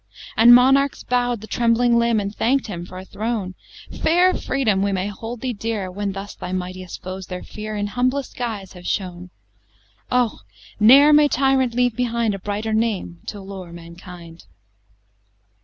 And Monarchs bow'd the trembling limb, And thank'd him for a throne! Fair Freedom! we may hold thee dear, When thus thy mightiest foes their fear In humblest guise have shown. Oh! ne'er may tyrant leave behind A brighter name to lure mankind!